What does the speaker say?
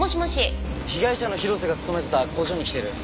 被害者の広瀬が勤めてた工場に来てる。